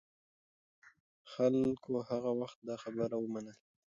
خلکو هغه وخت دا خبرې ومنلې.